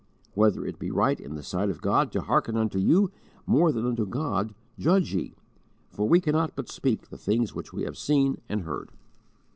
Whether it be right in the sight of God to hearken unto you more than unto God judge ye: for we cannot but speak the things which we have seen and heard."